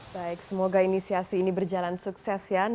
baik semoga inisiasi ini berjalan sukses ya